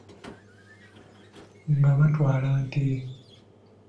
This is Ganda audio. Nga batwaala ente.